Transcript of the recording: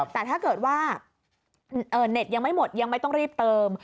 แต่ถ้าเกิดว่าเน็ตยังไม่หมดยังไม่ต้องรีบเติม